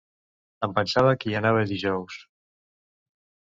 ¿? Em pensava que hi anava dijous.